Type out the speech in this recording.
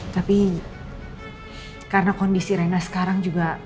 tapi karena kondisi rena sekarang juga